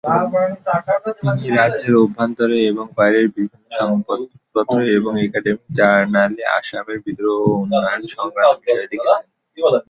তিনি রাজ্যের অভ্যন্তরে এবং বাইরের বিভিন্ন সংবাদপত্র এবং একাডেমিক জার্নালে আসামের বিদ্রোহ ও উন্নয়ন সংক্রান্ত বিষয়ে লিখেছেন।